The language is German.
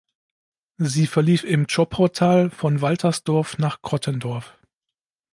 Sie verlief im Zschopautal von Walthersdorf nach Crottendorf.